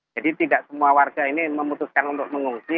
jadi tidak semua warga ini memutuskan untuk mengungsi